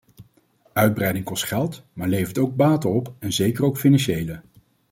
Uitbreiding kost geld, maar levert ook baten op en zeker ook financiële.